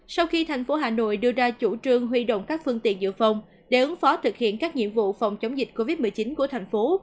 sau khi thành phố hà nội đưa ra chủ trương huy động các phương tiện dự phòng để ứng phó thực hiện các nhiệm vụ phòng chống dịch covid một mươi chín của thành phố